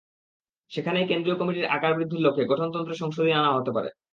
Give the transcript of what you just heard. সেখানেই কেন্দ্রীয় কমিটির আকার বৃদ্ধির লক্ষ্যে গঠনতন্ত্রে সংশোধনী আনা হতে পারে।